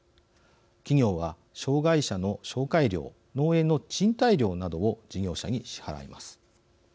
企業は障害者の紹介料・農園の賃貸料などを事業者に支払います。